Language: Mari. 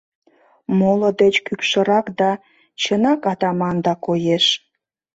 Моло деч кӱкшырак да, чынак, атаманда коеш.